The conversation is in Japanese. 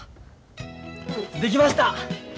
できました！